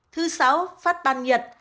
thứ sáu phát ban nhiệt